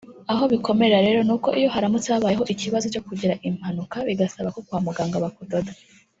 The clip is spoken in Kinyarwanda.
aho bikomerera rero nuko iyo haramutse habayeho ikibazo cyo kugira impanuka bigasaba ko kwa muganga bakudoda